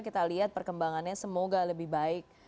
kita lihat perkembangannya semoga lebih baik